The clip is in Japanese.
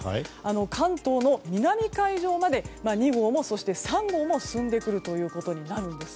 関東の南海上まで２号も、３号も進んでくるということになります。